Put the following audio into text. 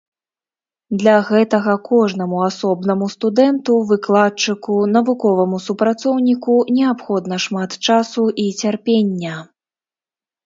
Для гэтага кожнаму асобнаму студэнту, выкладчыку, навуковаму супрацоўніку неабходна шмат часу і цярпення.